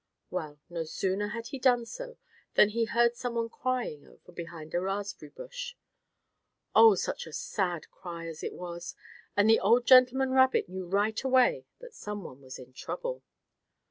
Well, no sooner had he done so than he heard some one crying over behind a raspberry bush. Oh, such a sad cry as it was, and the old gentleman rabbit knew right away that some one was in trouble.